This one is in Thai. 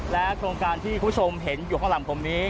โครงการที่คุณผู้ชมเห็นอยู่ข้างหลังผมนี้